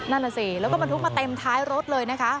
นั่นน่ะสิแล้วก็บรรทุกมาเต็มท้ายรถเลยนะคะ